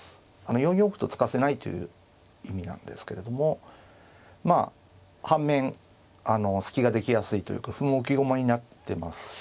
４四歩と突かせないという意味なんですけれどもまあ反面隙ができやすいというか歩も浮き駒になってますし。